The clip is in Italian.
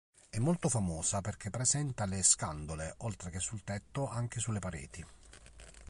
È molto famosa perché presenta le scandole, oltre che sul tetto, anche sulle pareti.